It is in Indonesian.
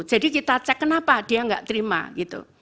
jadi kita cek kenapa dia gak terima gitu